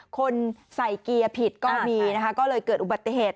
คนใส่เกียร์ผิดก็มีนะคะก็เลยเกิดอุบัติเหตุ